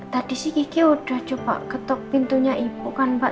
tadi sih kiki sudah coba ketok pintunya ibu kan pak